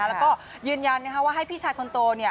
แล้วก็ยืนยันว่าให้พี่ชายคนโตเนี่ย